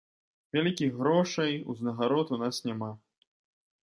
Вялікіх грошай, узнагарод у нас няма.